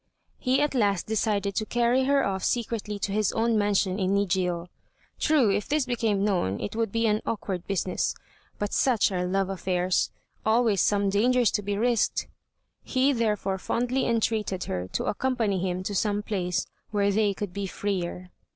He at last decided to carry her off secretly to his own mansion in Nijiô. True, if this became known it would be an awkward business; but such are love affairs; always some dangers to be risked! He therefore fondly entreated her to accompany him to some place where they could be freer.